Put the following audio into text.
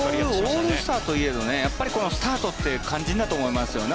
オールスターといえどもやっぱりスタートというのは肝心だと思いますよね。